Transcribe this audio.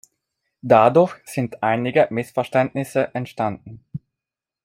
Dadurch sind einige Missverständnisse entstanden.